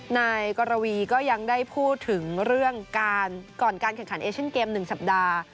นายกรวีก็ยังได้พูดถึงเรื่องการก่อนการแข่งขันเอเชียนเกม๑สัปดาห์